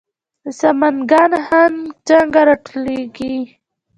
د سمنګان هنګ څنګه راټولیږي؟